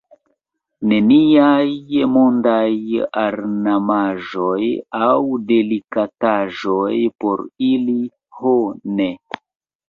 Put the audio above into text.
Neniaj mondaj ornamaĵoj aŭ delikataĵoj por ili, ho ne!